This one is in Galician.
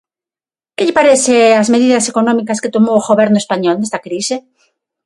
Que lle parece as medidas económicas que tomou o Goberno español nesta crise?